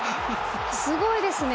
すごいですね。